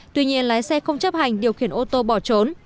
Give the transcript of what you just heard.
tuy nhiên lái xe không chấp hành điều khiển ô tô bỏ trốn